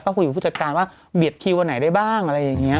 คุยกับผู้จัดการว่าเบียดคิววันไหนได้บ้างอะไรอย่างนี้